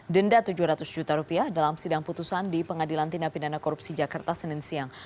denda tujuh ratus juta rupiah dalam sidang putusan di pengadilan tindak pidana korupsi jakarta senin siang